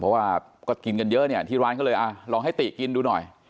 เพราะว่าก็กินกันเยอะเนี่ยที่ร้านก็เลยอ่ะลองให้ติกินดูหน่อย